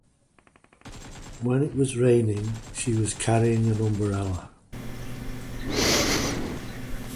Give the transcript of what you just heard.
When it was raining, she was carrying an umbrella.